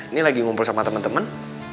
ini lagi ngumpul sama temen temen